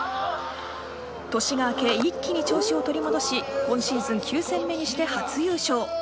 年が明け、一気に調子を取り戻し今シーズン９戦目にして初優勝。